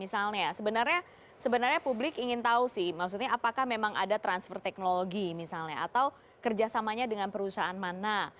sebenarnya publik ingin tahu apakah memang ada transfer teknologi atau kerjasamanya dengan perusahaan mana